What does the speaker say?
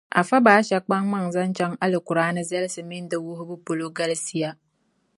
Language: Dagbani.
Afa Basha kpaŋ maŋa zaŋ chaŋ Alikuraani zalisi mini di wuhibu polo galsiya.